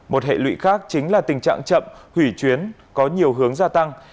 một hệ lụy khác chính là tình trạng chậm hủy chuyến có nhiều hướng gia tăng